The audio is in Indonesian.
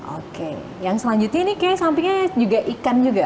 oke yang selanjutnya ini kayaknya sampingnya juga ikan juga